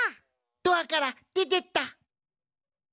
ドアからでてった！